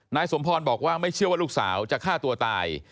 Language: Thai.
นายสมพรบอกว่าไม่เชื่อว่าลูกสาวจะฆ่าตัวตาย